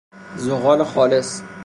زغال خالص